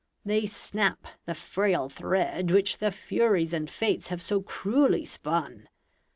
They snap the frail thread which the Furies And Fates have so cruelly spun.